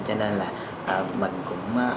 cho nên là mình cũng